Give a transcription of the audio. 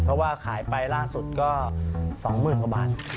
เพราะว่าขายไปล่าสุดก็๒๐๐๐กว่าบาท